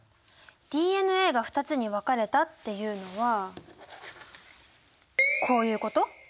ＤＮＡが２つに分かれたっていうのはこういうこと？